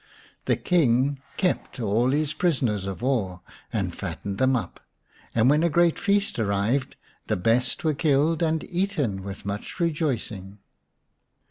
The King kept all his prisoners of war and fattened them up, and when a great feast arrived the best were killed and eaten with much rejoicing.